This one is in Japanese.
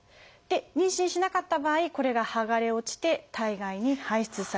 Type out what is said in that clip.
妊娠しなかった場合これがはがれ落ちて体外に排出される。